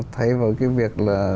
thay vào cái việc là